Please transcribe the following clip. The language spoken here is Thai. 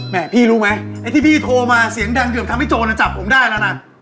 พี่รู้ไหมไอ้ที่พี่โทรมาเสียงดังเกือบทำให้โจรจับผมได้แล้วนะ